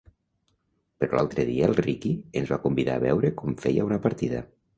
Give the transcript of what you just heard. Però l'altre dia el Riqui ens va convidar a veure com feia una partida.